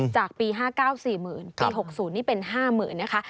จากปี๕๙๔๐๐๐ปี๖๐นี่เป็น๕๐๐๐นะคะ